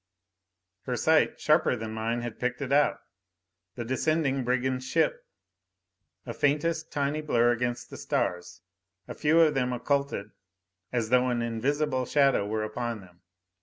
Her sight, sharper than mine, had picked it out. The descending brigand ship! A faintest, tiny blur against the stars, a few of them occulted as though an invisible shadow were upon them.